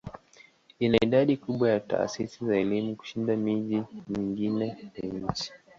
Ina idadi kubwa ya taasisi za elimu kushinda miji mingine ya nchi.